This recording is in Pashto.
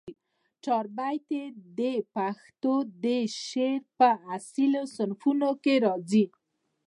چاربیتې د پښتو د شعر په اصیلو صنفونوکښي راځي